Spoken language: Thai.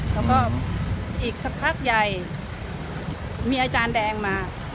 แล้วก็อีกสักพักใหญ่มีอาจารย์แดงมา